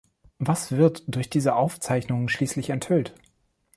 Was wird durch diese Aufzeichnung schließlich enthüllt?